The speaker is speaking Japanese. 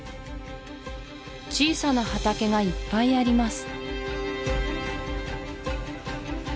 小さな畑がいっぱいあります